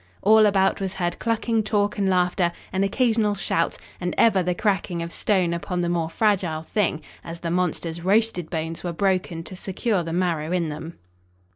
All about was heard clucking talk and laughter, an occasional shout, and ever the cracking of stone upon the more fragile thing, as the monster's roasted bones were broken to secure the marrow in them.